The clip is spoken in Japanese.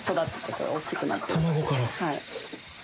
はい。